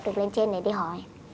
được lên trên để đi hỏi